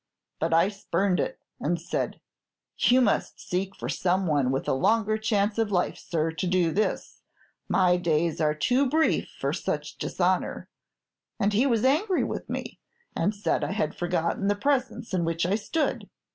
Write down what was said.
But I spurned it, and said, "You must seek for some one with a longer chance of life, sir, to do this; my days are too brief for such dishonor;" and he was angry with me, and said I had forgotten the presence in which I stood.